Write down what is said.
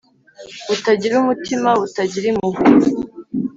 butagira umutima butagira impuhwe